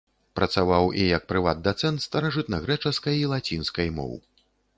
Працаваў і як прыват-дацэнт старажытнагрэчаскай і лацінскай моў.